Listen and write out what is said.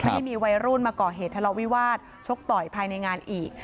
ที่มีวัยรุ่นมาก่อเหตุทะเลาวิวาสชกต่อยภายในงานอีก